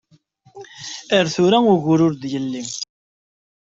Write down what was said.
Ar tura ugur ur d-yelli.